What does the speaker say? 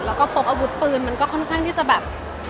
แล้วก็พกอาวุธปืนมันก็ค่อนข้างที่จะแบบ